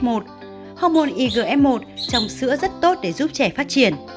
hormôn igf một trong sữa rất tốt để giúp trẻ phát triển